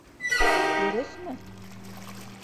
Дөрөҫмө?